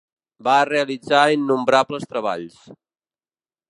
Va realitzar innumerables treballs.